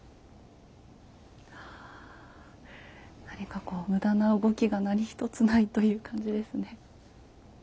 何かこう無駄な動きが何一つないという感じですね。